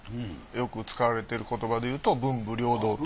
よく使われてる言葉で言うと文武両道と。